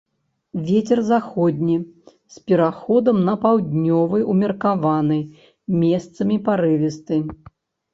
Вецер заходні з пераходам на паўднёвы ўмеркаваны, месцамі парывісты.